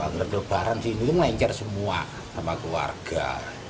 anggredo barang di sini itu melancar semua sama keluarga